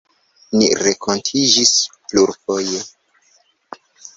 Ni renkontiĝis plurfoje, vizitis unu la alian kaj sincere amikiĝis.